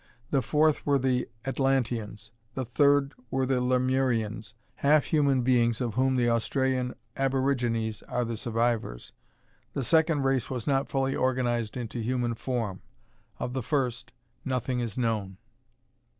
The fourth were the Atlanteans. The third were the Lemurians, half human beings of whom the Australian aborigines are the survivors. The second race was not fully organized into human form. Of the first, nothing is known.